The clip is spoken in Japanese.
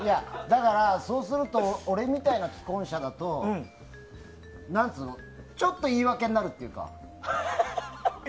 だから、そうすると俺みたいな既婚者だとちょっと言い訳になるっていうか。